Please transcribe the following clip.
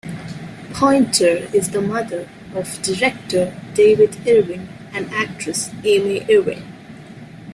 Pointer is the mother of director David Irving and actress Amy Irving.